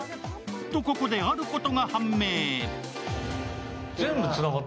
ここで、あることが判明。